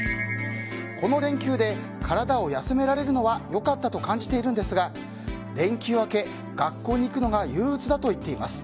この連休で体を休められるのは良かったと感じているんですが連休明け、学校に行くのが憂鬱だと言っています。